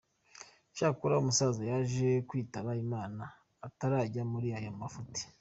Cyakora umusaza yaje kwitaba Imana atarajya muri ayo mafuti.